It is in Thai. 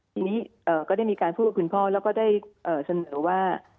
ทีนี้ก็ได้มีการพูดกับคุณพ่อแล้วก็ได้เสนอว่า